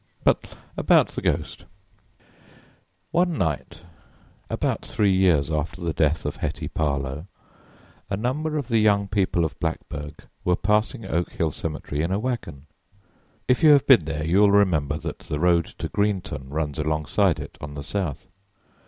But about the ghost: One night, about three years after the death of Hetty Parlow, a number of the young people of Blackburg were passing Oak Hill Cemetery in a wagon if you have been there you will remember that the road to Greenton runs alongside it on the south.